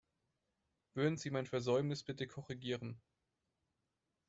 Würden Sie mein Versäumnis bitte korrigieren?